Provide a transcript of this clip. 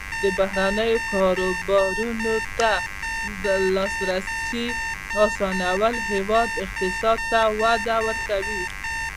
د بهرنیو کاروبارونو ته د لاسرسي اسانول د هیواد اقتصاد ته وده ورکوي.